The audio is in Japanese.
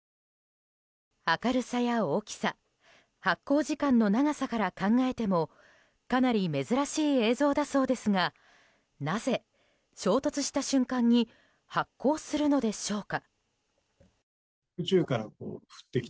明るさや大きさ発光時間の長さから考えてもかなり珍しい映像だそうですがなぜ、衝突した瞬間に発光するのでしょうか。